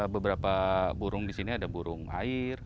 beberapa burung di sini ada burung air